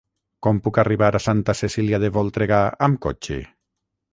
Com puc arribar a Santa Cecília de Voltregà amb cotxe?